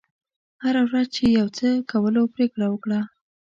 هره ورځ چې د یو څه کولو پرېکړه وکړه.